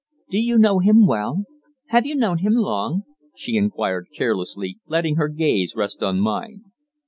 "Do you know him well? Have you known him long?" she inquired carelessly, letting her gaze rest on mine.